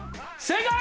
正解！